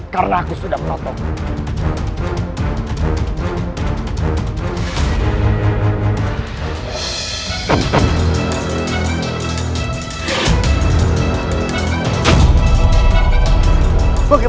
karena aku sudah melakukannya